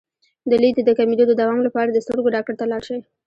د لید د کمیدو د دوام لپاره د سترګو ډاکټر ته لاړ شئ